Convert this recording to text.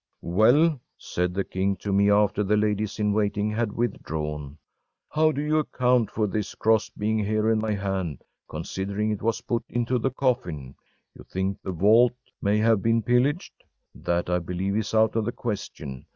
‚ÄĚ ‚ÄúWell,‚ÄĚ said the king to me, after the ladies in waiting had withdrawn, “how do you account for this cross being here in my hand, considering it was put into the coffin? You think the vault may have been pillaged? That, I believe, is out of the question.